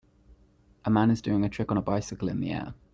A man is doing a trick on a bicycle in the air.